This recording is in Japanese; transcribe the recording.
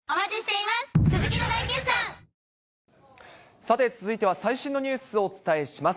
さて、続いては最新のニュースをお伝えします。